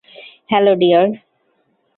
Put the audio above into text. Hello, deer.